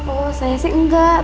oh saya sih enggak